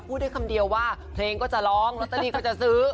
พูดได้คำเดียวว่าเพลงก็จะร้องลอตเตอรี่ก็จะซื้อ